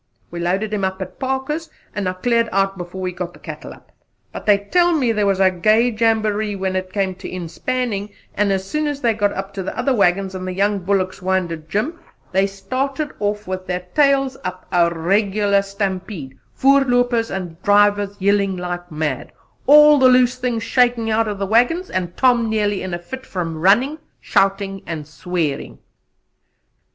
We loaded him up at Parker's, and I cleared out before he got the cattle up. But they tell me there was a gay jamboree when it came to inspanning; and as soon as they got up to the other waggons and the young bullocks winded Jim, they started off with their tails up a regular stampede, voorloopers and drivers yelling like mad, all the loose things shaking out of the waggons, and Tom nearly in a fit from running, shouting and swearing."